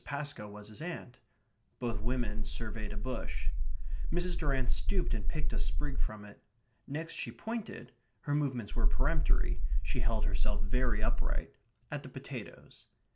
Pascoe was his aunt. Both women surveyed a bush. Mrs. Durrant stooped and picked a sprig from it. Next she pointed (her movements were peremptory; she held herself very upright) at the potatoes.